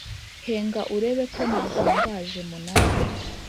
henga urebe ko ntahangaje munara